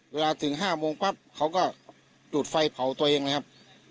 ถึง๕โมงปั๊บเขาก็ดูดไฟเผาตัวเองเลยครับ